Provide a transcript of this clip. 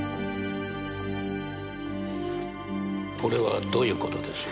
これはどういうことです？